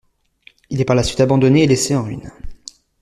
Il est par la suite abandonné, et laissé en ruine.